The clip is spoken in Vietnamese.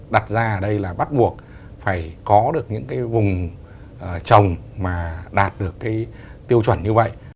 đặt ra ở đây là bắt buộc phải có được những cái vùng trồng mà đạt được cái tiêu chuẩn như vậy